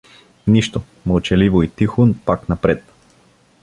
Нищо: мълчеливо и тихо пак напред.